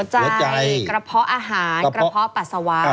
ใจกระเพาะอาหารกระเพาะปัสสาวะ